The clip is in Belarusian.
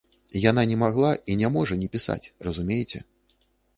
Яна не магла і не можа не пісаць, разумееце.